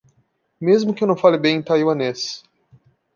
Mesmo que eu não fale bem em taiwanês